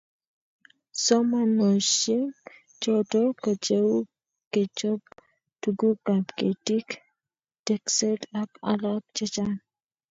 Somanosiek choto ko cheu kechob tugukab ketik, tekset ak alak chechang